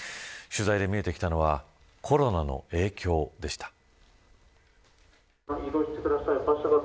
取材で見えてきたのはコロナの影響でした。